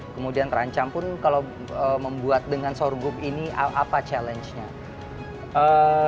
kemudian terancam pun kalau membuat dengan sorghum ini apa challenge nya